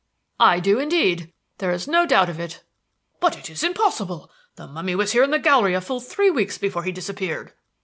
"I do indeed. There is no doubt of it." "But it is impossible! The mummy was here in the gallery a full three weeks before he disappeared."